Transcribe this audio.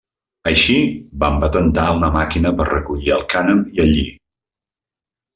Així, van patentar una màquina per recollir el cànem i el lli.